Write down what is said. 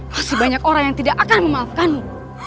masih banyak orang yang tidak akan memaafkanmu